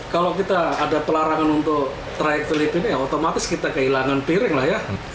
kalau kita ada pelarangan untuk trayek filipina ya otomatis kita kehilangan piring lah ya